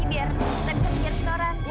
ini yang sekarang kita naik lagi ya mas